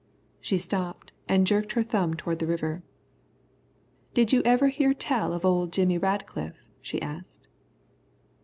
She stopped and jerked her thumb toward the river. "Did you ever hear tell of old Jimmy Radcliff?" she asked.